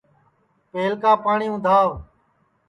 پہلکا پاٹؔی اُندھاو